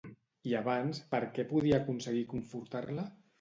I abans per què podia aconseguir confortar-la?